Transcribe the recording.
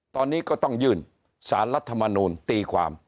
ตอนนี้ก็ต้องยื่นสารรัฐมนูลตีความ